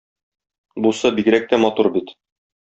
Бусы бигрәк тә матур бит.